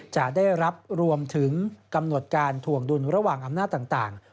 จะได้รับรวมถึงกำหนดการถวงดุลระหว่างอำนาจต่าง